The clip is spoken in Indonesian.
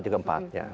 yang keempat ya